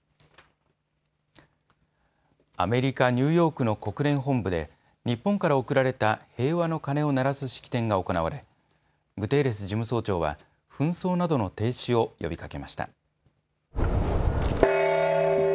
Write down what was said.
アメリカ・ニューヨークの国連本部で日本から贈られた平和の鐘を鳴らす式典が行われグテーレス事務総長は紛争などの停止を呼びかけました。